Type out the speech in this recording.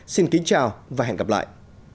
xin kính chào và hẹn gặp lại